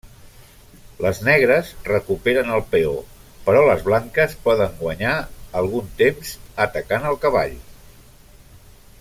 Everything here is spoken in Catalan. Les negres recuperen el peó, però les blanques poden guanyar algun temps atacant el cavall.